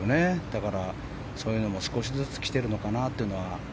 だから、そういうのも少しずつきてるのかなっていうのは。